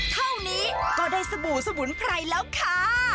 เท่านี้ก็ได้สบู่สมุนไพรแล้วค่ะ